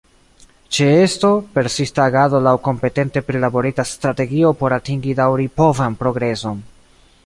Ĉeesto, persista agado laŭ kompetente prilaborita strategio por atingi daŭripovan progreson.